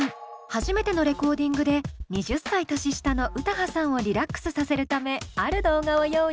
初めてのレコーディングで２０歳年下の歌羽さんをリラックスさせるためある動画を用意したんだそう。